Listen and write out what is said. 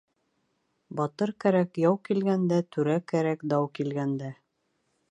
Батыр кәрәк яу килгәндә, түрә кәрәк дау килгәндә.